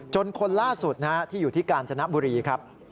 คนล่าสุดที่อยู่ที่กาญจนบุรีครับ